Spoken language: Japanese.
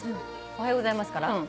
おはようございます。